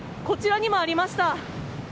こちらにもありました。